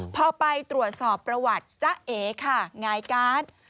พอไปตรวจสอบประวัติจ๊ะเอ๋ค่ะหงายการ์ด